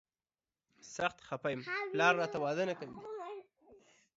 سخت خفه یم، پلار راته واده نه کوي.